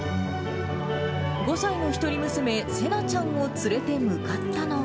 ５歳の１人娘、せなちゃんを連れて向かったのは。